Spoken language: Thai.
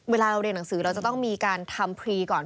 เวลาเราเรียนหนังสือเราจะต้องมีการทำพรีก่อน